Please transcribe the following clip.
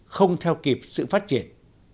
không theo kịp sự phát triển